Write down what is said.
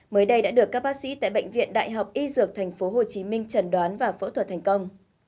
mới đây đã được các bác sĩ tại bệnh viện đại học y dược tp hcm trần đoán và phẫu thuật thành công